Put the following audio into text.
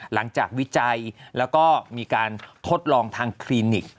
วิจัยแล้วก็มีการทดลองทางคลินิก